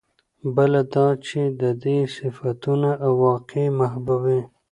او بله دا چې د دې صفتونو او واقعي محبوبې